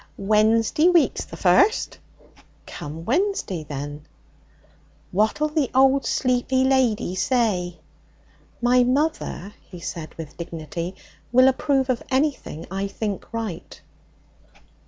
'Wednesday week's the first.' 'Come Wednesday, then.' 'What'll the old sleepy lady say?' 'My mother,' he said with dignity, 'will approve of anything I think right.'